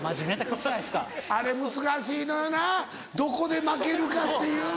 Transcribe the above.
あれ難しいのよなどこで負けるかっていう。